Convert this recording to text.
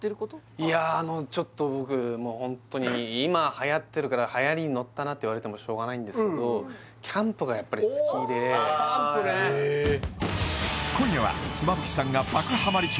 いやちょっと僕もうホントに今はやってるからはやりに乗ったなって言われてもしょうがないんですけどああへえ今夜は妻夫木さんが爆ハマり中